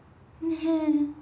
ねえ？